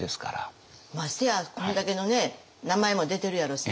ましてやこれだけのね名前も出てるやろしね。